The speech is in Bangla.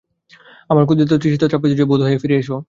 আমার ক্ষুধিত তৃষিত তাপিত চিত, বঁধু হে, ফিরে এসো।